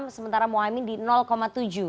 sementara muhaimin di tujuh persen